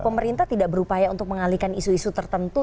pemerintah tidak berupaya untuk mengalihkan isu isu tertentu